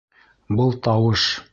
Был тауыш...